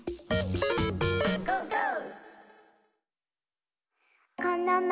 「ゴーゴー！」